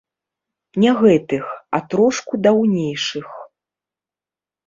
Не гэтых, а трошку даўнейшых.